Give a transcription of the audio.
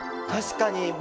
確かに。